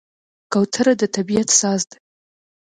کوتره د طبیعت ساز ده.